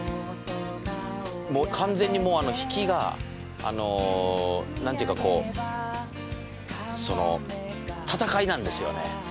もう完全にもうあの引きがあの何ていうかこうその戦いなんですよね。